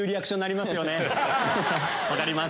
分かります。